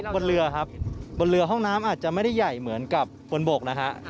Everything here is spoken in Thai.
บนเรือครับบนเรือห้องน้ำอาจจะไม่ได้ใหญ่เหมือนกับบนบกนะฮะ